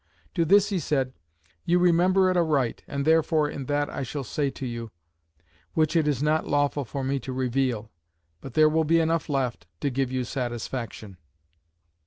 To this he said; "You remember it aright and therefore in that I shall say to you, I must reserve some particulars, which it is not lawful for me to reveal; but there will be enough left, to give you satisfaction."